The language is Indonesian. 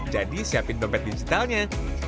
jadi siapin dompet digitalnya